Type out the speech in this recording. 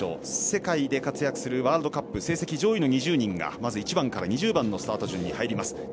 世界で活躍するワールドカップでの成績上位の２０人が１番から２０番に入ります。